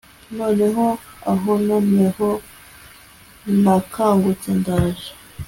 Noneho ahononeho nakangutse ndaje